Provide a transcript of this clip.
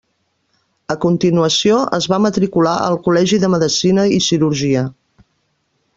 A continuació, es va matricular al Col·legi de Medicina i Cirurgia.